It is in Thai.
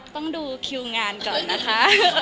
ต้องดูคิวงานก่อนนะคะ